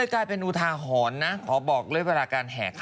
ยิงปืนนะ